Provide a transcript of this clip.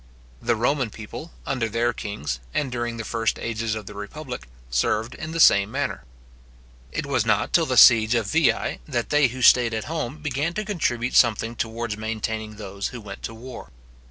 The Roman people, under their kings, and during the first ages of the republic, served in the same manner. It was not till the seige of Veii, that they who staid at home began to contribute something towards maintaining those who went to war.